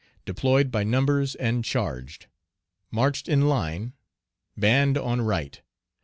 Deployed by numbers and charged. Marched in in line, band on right.